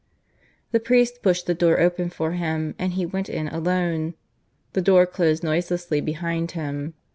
The priest pushed the door open for him and he went in alone; the door closed noiselessly behind him.